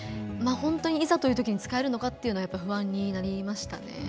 本当にいざというときに使えるのかというのは不安になりましたね。